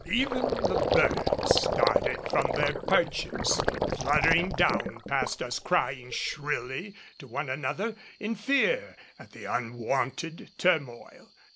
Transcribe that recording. Even the birds started from their perches, fluttering down past us crying shrilly to one another in fear at the unwonted turmoil.